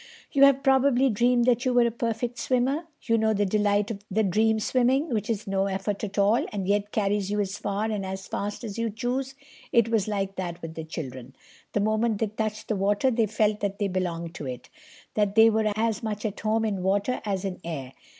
You have probably dreamed that you were a perfect swimmer? You know the delight of that dream swimming, which is no effort at all, and yet carries you as far and as fast as you choose. It was like that with the children. The moment they touched the water they felt that they belonged in it—that they were as much at home in water as in air.